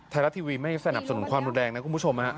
ไทยรัฐทีวีไม่สนับสนุนความรุนแรงนะคุณผู้ชม